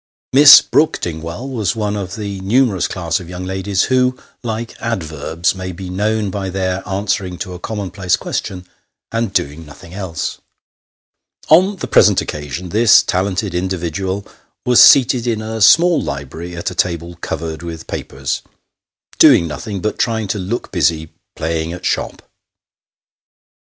Miss Brook Dingwall was one of that numerous class of young ladies, who, like adverbs, may be known by their answering to a commonplace question, and doing nothing else. On the present occasion, this talented individual was seated in a small library at a table covered with papers, doing nothing, but trying to look busy playing at shop.